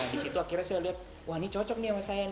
di situ akhirnya saya lihat wah ini cocok nih sama saya nih